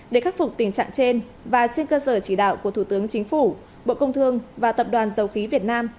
để khắc phục tình trạng trên và trên cơ sở chỉ đạo của thủ tướng chính phủ bộ công thương và tập đoàn dầu khí việt nam